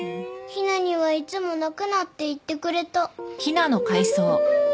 陽菜にはいつも泣くなって言ってくれた。